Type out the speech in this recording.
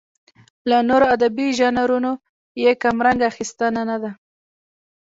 له نورو ادبي ژانرونو یې کمرنګه اخیستنه نه ده.